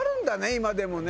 今でもね。